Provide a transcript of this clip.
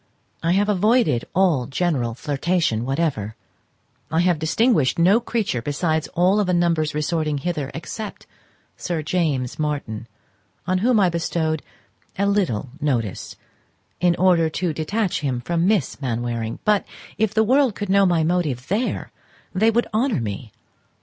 I have avoided all general flirtation whatever; I have distinguished no creature besides, of all the numbers resorting hither, except Sir James Martin, on whom I bestowed a little notice, in order to detach him from Miss Mainwaring; but, if the world could know my motive there they would honour me.